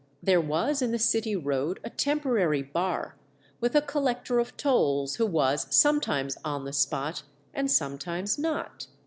There was in the City Road a temporary bar, with a collector of tolls who was sometimes on the spot and sometimes not.